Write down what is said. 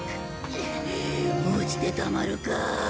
落ちてたまるか！